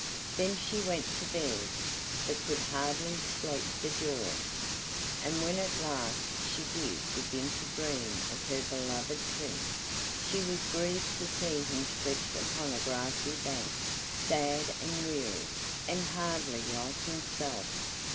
Then she went to bed, but could hardly sleep for joy. And when at last she did begin to dream of her beloved Prince she was grieved to see him stretched upon a grassy bank, sad and weary, and hardly like himself.